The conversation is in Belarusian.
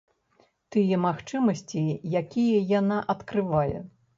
Тыя магчымасці, якія яна адкрывае.